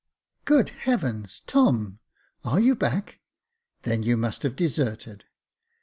" Good heavens ! Tom ! are you back ? then you must have deserted."